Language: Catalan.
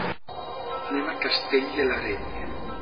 Anem a Castell de l'Areny.